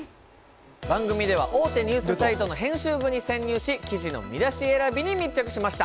番組では大手ニュースサイトの編集部に潜入し記事の見出し選びに密着しました！